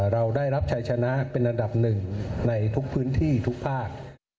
เราได้รับชัยชนะเป็นอันดับหนึ่งในทุกพื้นที่ทุกภาค